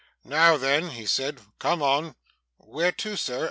'Now then,' he said, 'come on!' 'Where to, Sir?